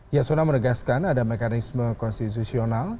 yasona menegaskan ada mekanisme konstitusional